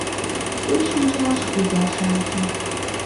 Ты шинчалше иза-шамычым